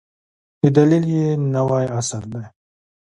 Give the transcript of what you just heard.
د دلیل یې نوی عصر دی.